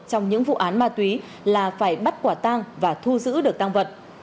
trong những vụ án ma túy là phải bắt quả tang và thu giữ được tăng vật